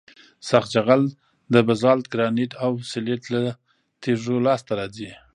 سخت جغل د بزالت ګرانیت او سلیت له تیږو لاسته راځي